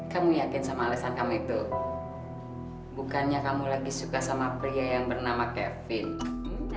kamu yakin sama alasan kamu itu bukannya kamu lagi suka sama pria yang bernama kevin